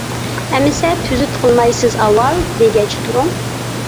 ئەمىسە تۈزۈت قىلماي سىز ئاۋۋال دېگەچ تۇرۇڭ.